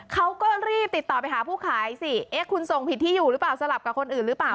เขาก็รีบติดต่อไปหาผู้ขายสิเอ๊ะคุณส่งผิดที่อยู่หรือเปล่าสลับกับคนอื่นหรือเปล่า